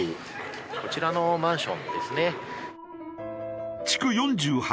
こちらのマンションですね。